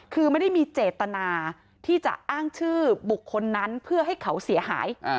คือไม่ได้มีเจตนาที่จะอ้างชื่อบุคคลนั้นเพื่อให้เขาเสียหาย